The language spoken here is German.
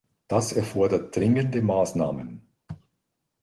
Das erfordert dringende Maßnahmen.